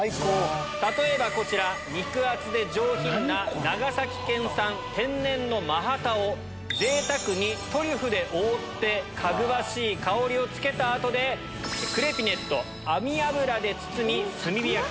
例えばこちら、肉厚で上品な長崎県産、天然のマハタを、ぜいたくにトリュフで覆って、かぐわしい香りをつけたあとで、クレピネット、網脂で包み、炭火焼き。